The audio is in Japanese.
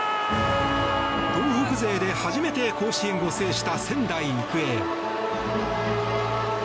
東北勢で初めて甲子園を制した仙台育英。